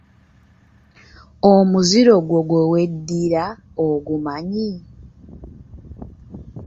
Omuziro gwo gwe weddira ogumanyi?